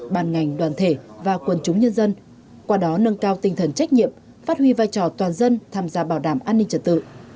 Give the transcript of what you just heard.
bàn ngành đoàn thể và quần chúng nhân dân qua đó nâng cao tinh thần trách nhiệm phát huy vai trò toàn dân tham gia bảo đảm an ninh trật tự